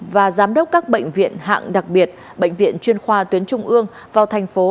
và giám đốc các bệnh viện hạng đặc biệt bệnh viện chuyên khoa tuyến trung ương vào thành phố